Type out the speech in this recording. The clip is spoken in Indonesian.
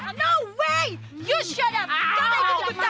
kamu harus pulang kamu harus pulang